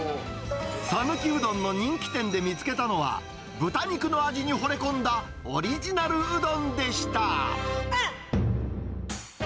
讃岐うどんの人気店で見つけたのは、豚肉の味にほれ込んだオリジナルうどんでした。